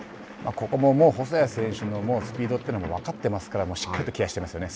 ここも、もう細谷選手のスピードというのは分かっていますからしっかりとケアしていますよね。